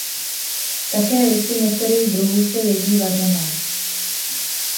Také listy některých druhů se jedí vařené.